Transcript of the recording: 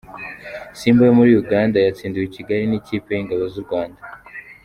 Simba yo muri Uganda yatsindiwe i Kigali nilipe yingabo y’urwanda